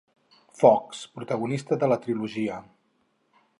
Fox, protagonista de la trilogia.